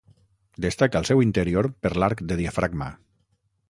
Destaca el seu interior per l'arc de diafragma.